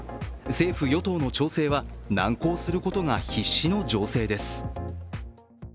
政府・与党の調整は難航することが必至の情勢です。